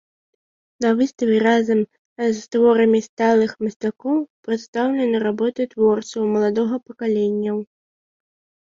На выставе разам з творамі сталых мастакоў прадстаўлены работы творцаў маладога пакаленняў.